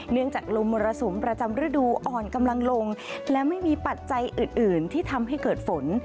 จากลมมรสุมประจำฤดูอ่อนกำลังลงและไม่มีปัจจัยอื่นที่ทำให้เกิดฝน